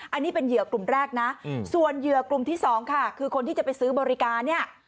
อันนี้เป็นเหยื่อกลุ่มแรกนะส่วนเหยื่อกลุ่มที่สองค่ะคือคนที่จะไปซื้อบริการเนี่ย